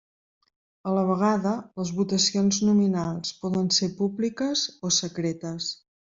A la vegada, les votacions nominals poden ser públiques o secretes.